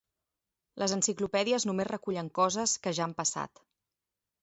Les enciclopèdies només recullen coses que ja han passat.